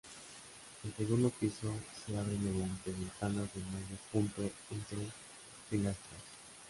El segundo piso se abre mediante ventanas de medio punto entre pilastras.